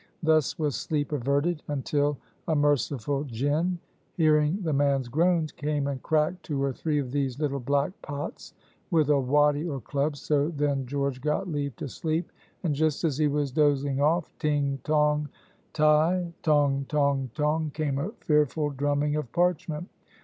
Thus was sleep averted, until a merciful gin, hearing the man's groans, came and cracked two or three of these little black pots with a waddie or club, so then George got leave to sleep, and just as he was dozing off, ting, tong, ti tong, tong, tong, came a fearful drumming of parchment.